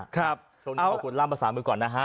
ครับโชคดีขอขอคุณล่างประสานมือก่อนนะฮะ